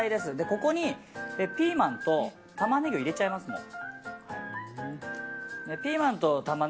ここにピーマンとタマネギを入れちゃいます、もう。